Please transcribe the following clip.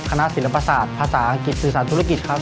ศิลปศาสตร์ภาษาอังกฤษสื่อสารธุรกิจครับ